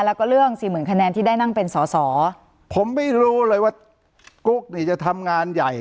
แล้วก็เรื่องสี่หมื่นคะแนนที่ได้นั่งเป็นสอสอผมไม่รู้เลยว่ากุ๊กนี่จะทำงานใหญ่